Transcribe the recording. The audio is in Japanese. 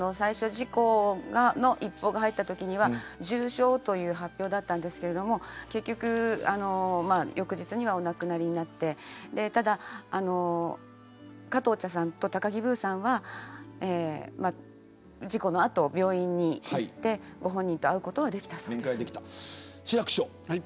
事故の一報が入ったときには重症という発表だったんですけど結局、翌日にお亡くなりになってただ加藤茶さんと高木ブーさんは事故の後、病院に行ってご本人と会うことはできたそうで志らく師匠。